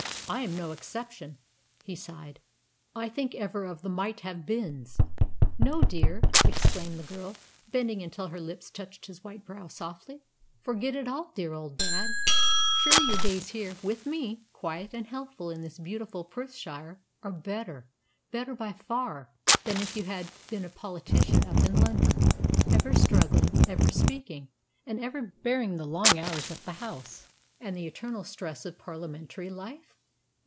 I am no exception," he sighed. "I think ever of the might have beens." "No, dear," exclaimed the girl, bending until her lips touched his white brow softly. "Forget it all, dear old dad. Surely your days here, with me, quiet and healthful in this beautiful Perthshire, are better, better by far, than if you had been a politician up in London, ever struggling, ever speaking, and ever bearing the long hours at the House and the eternal stress of Parliamentary life?"